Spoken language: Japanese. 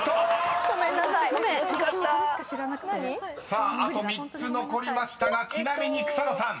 ［さああと３つ残りましたがちなみに草野さん］